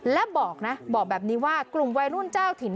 และบอกนะบอกแบบนี้ว่ากลุ่มวัยรุ่นเจ้าถิ่น